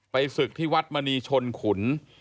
ศึกที่วัดมณีชนขุน